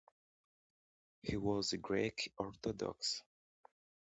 He was Greek Orthodox.